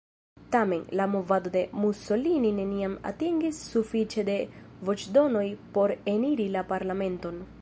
Tamen, la movado de Mussolini neniam atingis sufiĉe da voĉdonoj por eniri la parlamenton.